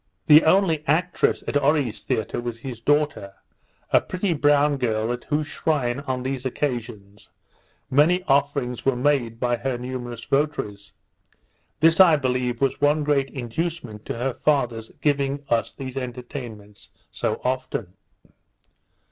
The only actress at Oree's theatre was his daughter, a pretty brown girl, at whose shrine, on these occasions, many offerings were made by her numerous votaries. This, I believe, was one great inducement to her father's giving us these entertainments so often.